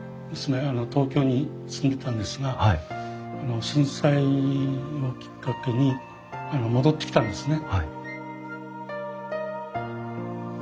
東京に住んでたんですが震災をきっかけに戻ってきたんですね。